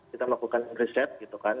kita melakukan riset gitu kan